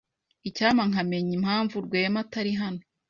Icyampa nkamenya impamvu Rwema atari hano.